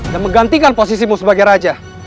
dan menggantikan posisimu sebagai raja